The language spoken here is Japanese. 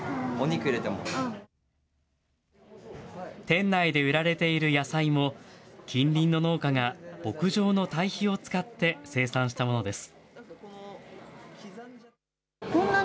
店内で売られている野菜も、近隣の農家が牧場の堆肥を使って生産したものです。